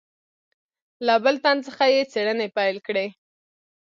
له بل تن څخه یې څېړنې پیل کړې.